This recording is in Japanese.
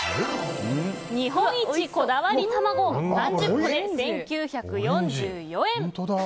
日本一こだわり卵３０個で１９４４円。